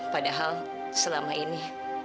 padahal selama ini